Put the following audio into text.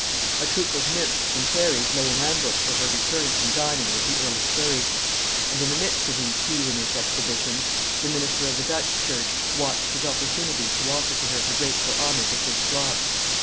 A troop of nymphs and fairies lay in ambush for her return from dining with the earl of Surry; and in the midst of these Heathenish exhibitions, the minister of the Dutch church watched his opportunity to offer to her the grateful homage of his flock.